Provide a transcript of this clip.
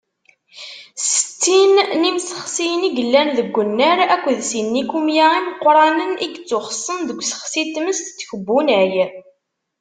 Settin n yimsexsiyen i yellan deg unnar akked sin n yikumya imeqqranen i yettuxeṣṣen deg usexsi n tmes n tkebbunay.